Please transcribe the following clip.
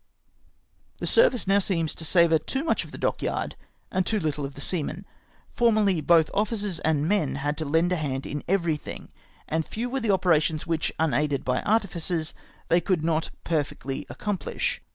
The service now seems to savour too much of the dockyard, and too httle of the seaman. Formerly, both officers and men had to lend a hand in everything, and few were the operations wdiich, unaided by artificers, they could not perfectly accomphsh.